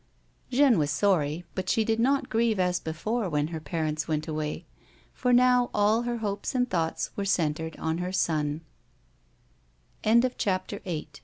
Jeanne was sorry but she did not grieve as before when her parents went away, for now all her hopes and thoughts were centred on her s